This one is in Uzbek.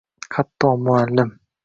Hatto muallim…